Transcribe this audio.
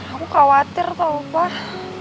aku khawatir tau pak